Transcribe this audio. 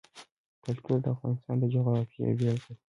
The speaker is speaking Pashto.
کلتور د افغانستان د جغرافیې بېلګه ده.